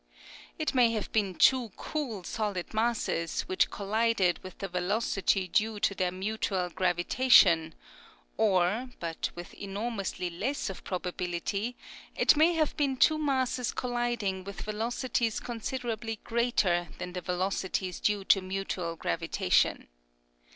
It may have been two cool solid masses, which collided with the velocity due to their mutual gravitation ; or, but with enormously less of probability, it may have been two masses colliding with velocities considerably greater than the velocities due to mutual gravitation.